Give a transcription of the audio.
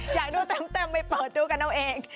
อยากดูเต็มไปเปิดดูกันเอาเอง